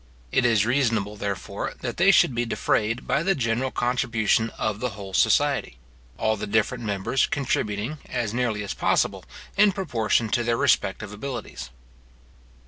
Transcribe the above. It is reasonable, therefore, that they should be defrayed by the general contribution of the whole society; all the different members contributing, as nearly as possible, in proportion to their respective abilities.